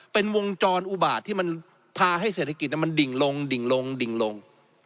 เป็นวงจรอุบาตที่มันพาให้เศรษฐกิจมันดิ่งลงดิ่งลงดิ่งลง